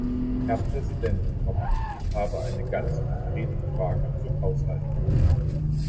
Herr Präsident, ich habe eine ganz konkrete Frage zum Haushalt.